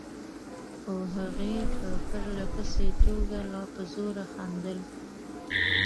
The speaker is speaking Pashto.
خو هغې په پرله پسې توګه لا په زوره خندل.